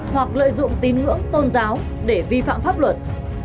hoặc lợi dụng tin ngưỡng tôn giáo để vi phạm pháp luật